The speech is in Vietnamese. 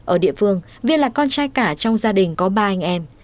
ở địa phương viên là con trai cả trong gia đình có ba anh em